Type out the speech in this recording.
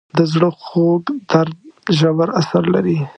د زړه خوږ درد ژور اثر لري.